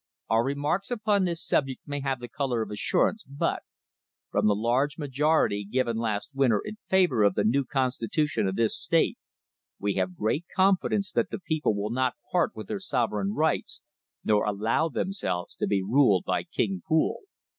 Our remarks upon this subject may have the colour of assurance, but, from the large majority given last winter in favour of the new constitution of this state, we have great confidence that the people will not part with their sovereign rights, nor allow themselves to be ruled by King Pool.